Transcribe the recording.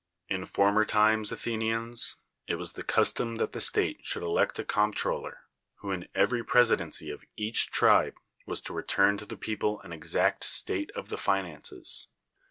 Tn foi'iiirr times, Athenians, it was the custom lliat the state .should elect a coiiiMtrolIer, who in every THE WORLD'S FAMOUS ORATIONS presidency of each tribe was to return to the people an exact state of the finances.